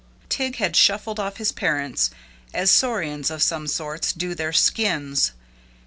Tig had shuffled off his parents as saurians, of some sorts, do their skins.